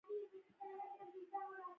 غواړي چې شاعران یې په شعرونو کې وستايي.